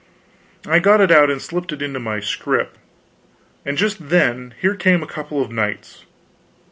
I got it out and slipped it into my scrip, and just then here came a couple of knights.